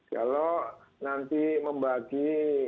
kalau nanti membagi